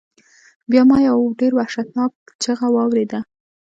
بیا ما یو ډیر وحشتناک چیغہ واوریده.